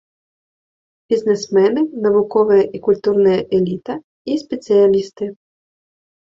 Бізнесмены, навуковая і культурная эліта і спецыялісты.